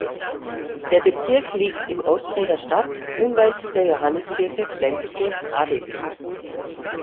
Der Bezirk liegt im Osten der Stadt unweit der Johanniskirche Flensburg-Adelby.